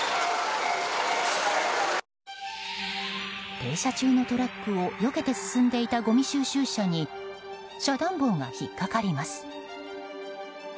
停車中のトラックをよけて進んでいたごみ収集車に遮断棒が引っ掛かります。